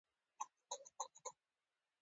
د لیکوال ژبه باید ساده او روانه وي.